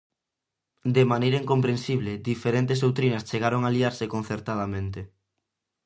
De maneira incomprensible, diferentes doutrinas chegaron a aliarse concertadamente.